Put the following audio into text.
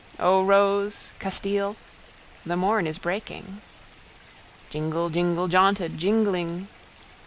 O rose! Castile. The morn is breaking. Jingle jingle jaunted jingling.